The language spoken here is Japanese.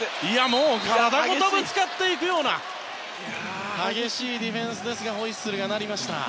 体ごとぶつかっていくような激しいディフェンスにホイッスルが鳴りました。